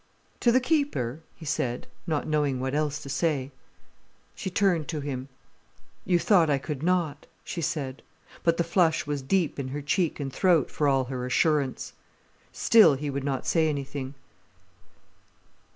"To the keeper?" he said, not knowing what else to say. She turned to him. "You thought I could not?" she said. But the flush was deep in her cheek and throat, for all her assurance. Still he would not say anything.